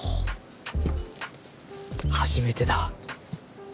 初めてだ。